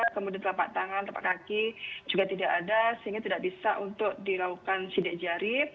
kemudian telapak tangan telapak kaki juga tidak ada sehingga tidak bisa untuk dilakukan sidik jarib